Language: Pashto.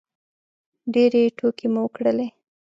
ډېرې ټوکې مو وکړلې